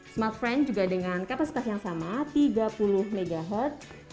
smartfriend juga dengan kapasitas yang sama tiga puluh mhz